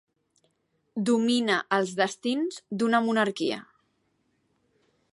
Domina els destins d'una monarquia.